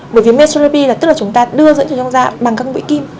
bởi vì mesorepi là tức là chúng ta đưa dẫn cho trong da bằng các mũi kim